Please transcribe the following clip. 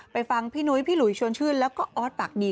ฟังพี่นุ้ยพี่หลุยชวนชื่นแล้วก็ออสปากดี